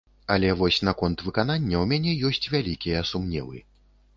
Але вось наконт выканання ў мяне ёсць вялікія сумневы.